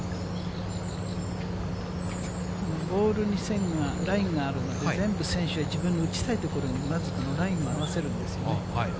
ボールに線が、ラインがあるので、全部、選手は自分の打ちたい所に、まずこのラインを合わせるんですよね。